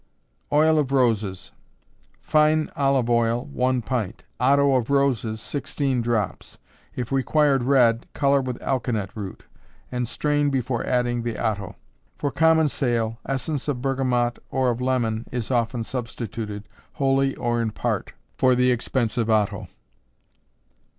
Oil of Roses. Fine olive oil, one pint; otto of roses, sixteen drops. If required red, color with alkanet root, and strain before adding the otto. For common sale essence of bergamot or of lemon is often substituted, wholly or in part, for the expensive otto.